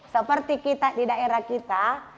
seperti kita di daerah kita